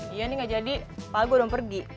iya nih gak jadi apalagi gue udah mau pergi